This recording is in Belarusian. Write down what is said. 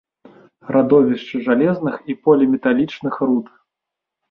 Радовішчы жалезных і поліметалічных руд.